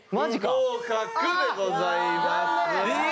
不合格でございます。